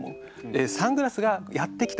サングラスがやってきた。